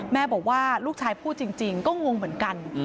แม่บอกว่าลูกชายพูดจริงก็งงเหมือนกัน